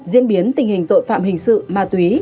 diễn biến tình hình tội phạm hình sự ma túy